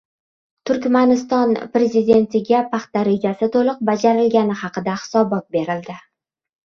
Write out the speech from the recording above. Turkmaniston prezidentiga paxta rejasi to‘liq bajarilgani haqida hisobot berildi